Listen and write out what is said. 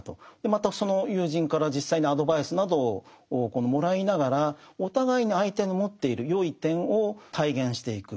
またその友人から実際にアドバイスなどをもらいながらお互いに相手の持っている善い点を体現していく。